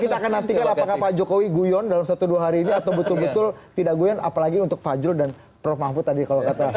kita akan nantikan apakah pak jokowi guyon dalam satu dua hari ini atau betul betul tidak guyon apalagi untuk fajrul dan prof mahfud tadi kalau kata